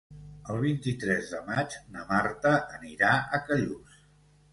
El vint-i-tres de maig na Marta anirà a Callús.